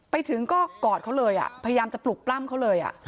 ไปถึงก็กอดเขาเลยพยายามจะปลุกปล้ำเขาเลย